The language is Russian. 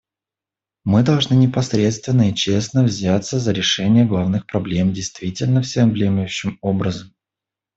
Мы должны непосредственно и честно взяться за решение главных проблем действительно всеобъемлющим образом.